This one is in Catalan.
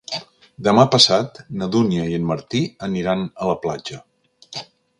Demà passat na Dúnia i en Martí aniran a la platja.